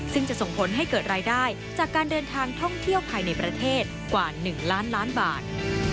ซึ่งจะส่งผลให้เกิดรายได้จากการเดินทางท่องเที่ยวภายในประเทศกว่า๑ล้านล้านบาท